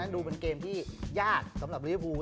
ดูเป็นเกมที่ยากสำหรับลิฟู